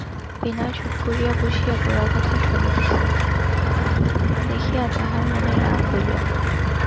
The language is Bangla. বিনয় চুপ করিয়া বসিয়া গোরার কথা শুনিতেছে দেখিয়া তাহার মনে মনে রাগ হইল।